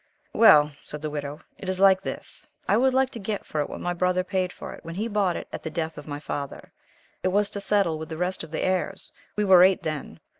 "Well," said the Widow, "it is like this. I would like to get for it what my brother paid for it, when he bought it at the death of my father it was to settle with the rest of the heirs we were eight then.